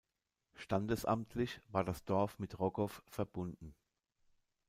Standesamtlich war das Dorf mit Roggow verbunden.